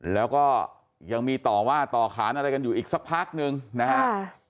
แล้วก็ยังมีต่อว่าต่อขานอะไรกันอยู่อีกสักพักหนึ่งนะฮะ